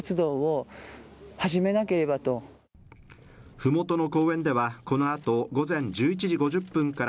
麓の公園ではこのあと午前１１時５０分から